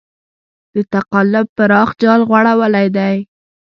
د تقلب پراخ جال غوړولی دی.